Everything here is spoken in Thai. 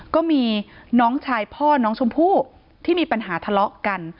ก็มีน้องชายพ่อน้องชมพู่ที่มีปัญหาทะเลาะกัน